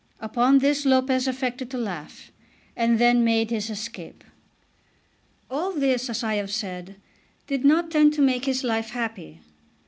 Upon this Lopez affected to laugh, and then made his escape. All this, as I have said, did not tend to make his life happy.